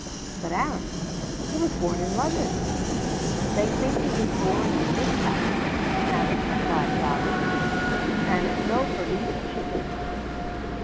"But, Aaron, he was born in London!" "They think he was born in this house," Aaron replied doggedly, "and it's no for me to cheapen him."